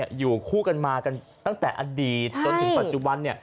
อยู่คู่กันมาตั้งแต่อดีตต้นถึงจังหวัน